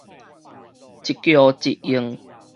一叫一應